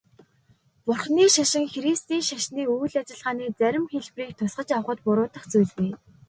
Бурханы шашин христийн шашны үйл ажиллагааны зарим хэлбэрийг тусгаж авахад буруудах зүйлгүй.